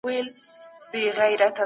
د الله رحمت ته په تمه اوسئ.